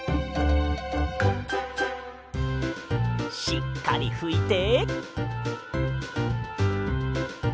しっかりふいて。